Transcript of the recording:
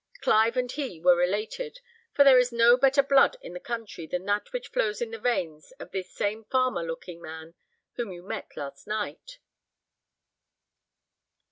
Clive and he were related; for there is no better blood in the country than that which flows in the veins of this same farmer looking man whom you met last night."